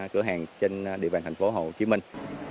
cửa hàng trên địa bàn thành phố hồ chí minh